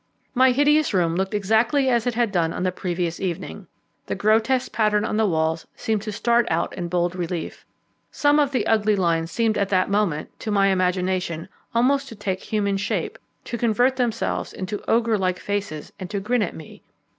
My hideous room looked exactly as it had done on the previous evening. The grotesque pattern on the walls seemed to start out in bold relief. Some of the ugly lines seemed at that moment, to my imagination, almost to take human shape, to convert themselves into ogre like faces, and to grin at me.